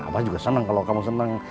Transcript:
abah juga seneng kalau kamu seneng